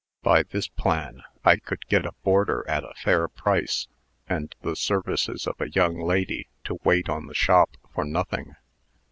By this plan, I could get a boarder at a fair price, and the services of a young lady to wait on the shop for nothing.